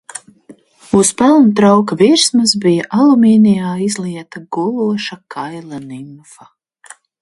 Uz pelnu trauka virsmas bija alumīnijā izlieta guloša kaila nimfa.